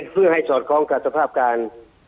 เพื่อให้สอดคล้องกับสภาพการ